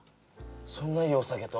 そんないいお酒と？